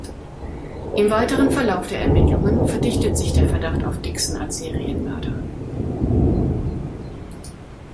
Im weiteren Verlauf der Ermittlungen verdichtet sich der Verdacht auf Dixon als Serienmörder.